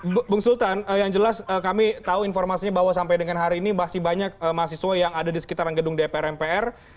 ibu sultan yang jelas kami tahu informasinya bahwa sampai dengan hari ini masih banyak mahasiswa yang ada di sekitaran gedung dpr mpr